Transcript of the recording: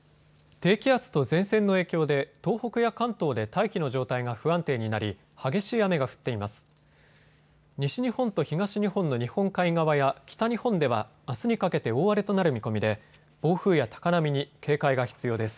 低気圧と前線の影響で東北や関東で大気の状態が不安定になり激しい雨が降っています。